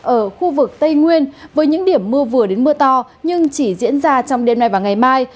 ở khu vực tây nguyên với những điểm mưa vừa đến mưa to nhưng chỉ diễn ra trong đêm nay và ngày mai